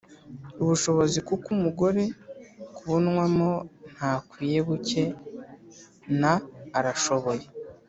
ubushobozi kuko Umugore kubonwamo ntakwiye buke na arashoboye